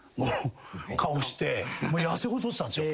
痩せ細ってたんですよ。